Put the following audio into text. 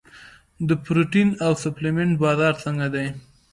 د پروټین او سپلیمنټ بازار څنګه دی؟